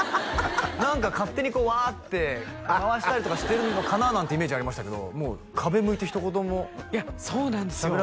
何か勝手にこうワーッて回したりとかしてるのかななんてイメージありましたけどもう壁向いてひと言もいやそうなんですよ